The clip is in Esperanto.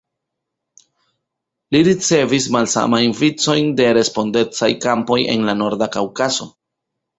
Li havis malsamajn vicojn de respondecaj kampoj en la Norda Kaŭkazo.